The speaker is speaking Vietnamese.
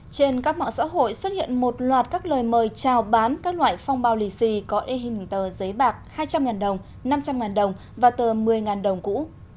trên các mạng xã hội xuất hiện một loạt các lời mời trao bán các loại phong bao lì xì có e hình tờ giấy bạc hai trăm linh đồng năm trăm linh đồng và tờ một mươi đồng cũ